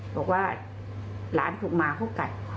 บอกว่าหลานถูกมาเขากัด